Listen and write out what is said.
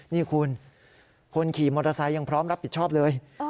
นี่คุณคนขี่มอเตอร์ไซค์ยังพร้อมรับผิดชอบเลย